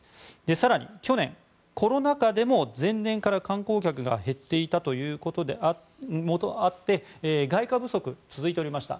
更に、去年コロナ禍でも前年から観光客が減っていたこともあて外貨不足が続いていました。